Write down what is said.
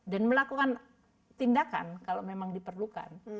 dan melakukan tindakan kalau memang diperlukan